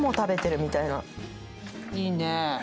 いいね。